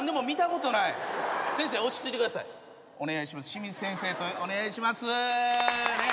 清水先生とお願いします。